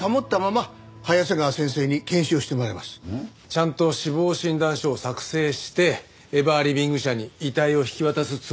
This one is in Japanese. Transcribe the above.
ちゃんと死亡診断書を作成してエバーリビング社に遺体を引き渡すつもりです。